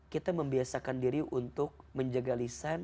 kita membiasakan diri untuk menjaga lisan